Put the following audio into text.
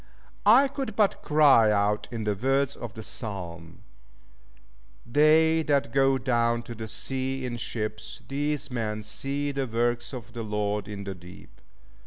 I could but cry out in the words of the Psalm, "They that go down to the sea in ships, these men see the works of the Lord in the deep.